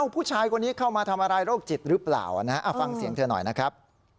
ผู้ชายคนนี้เข้ามาทำอะไรโรคจิตหรือเปล่าฟังเสียงเธอหน่อยนะครับ